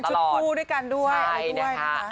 คือเป็นชุดผู้ด้วยกันด้วยเออด้วยค่ะใช่นะคะ